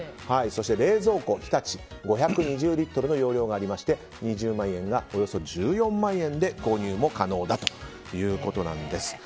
そして冷蔵庫、日立５２０リットルの容量がありまして、２０万円がおよそ１４万円で購入可能だということです。